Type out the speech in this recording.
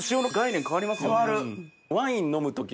変わる。